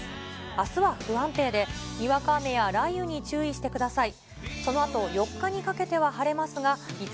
あすは不安定で、にわか雨や雷雨に注意してください。